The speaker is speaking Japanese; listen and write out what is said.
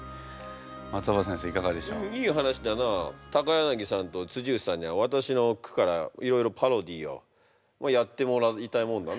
柳さんと内さんには私の句からいろいろパロディーをやってもらいたいもんだな。